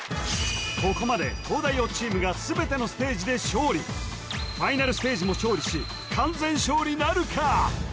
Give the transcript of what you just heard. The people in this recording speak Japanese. ここまで東大王チームが全てのステージで勝利ファイナルステージも勝利し完全勝利なるか？